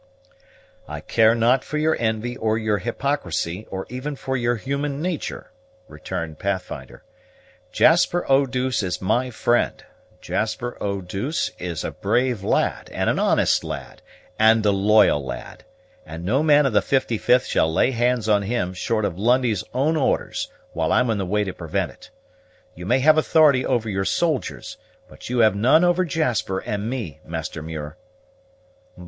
"I care not for your envy, or your hypocrisy, or even for your human natur'," returned Pathfinder. "Jasper Eau douce is my friend; Jasper Eau douce is a brave lad, and an honest lad, and a loyal lad; and no man of the 55th shall lay hands on him, short of Lundie's own orders, while I'm in the way to prevent it. You may have authority over your soldiers; but you have none over Jasper and me, Master Muir."